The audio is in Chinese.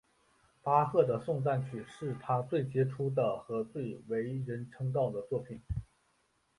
巴赫的颂赞曲是他最杰出的和最为人称道的作品。